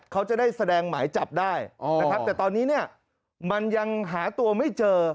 เขาจะได้แสดงหมายจับได้นะครับแต่ตอนนี้เนี่ยมันยังหาตัวไม่เจอ